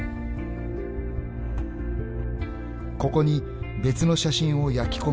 ［ここに別の写真を焼き込むことで］